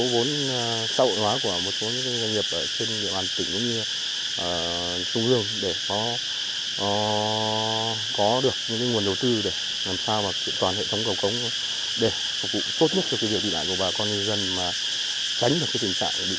và một số vốn xã hội hóa của một số nhân dân